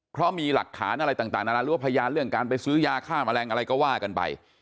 เพราะมีหลักฐานอะไรต่างนานาหรือว่าพยานเรื่องการไปซื้อยาฆ่าแมลงอะไรก็ว่ากันไป